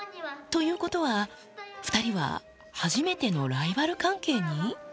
ということは、２人は初めてのライバル関係に？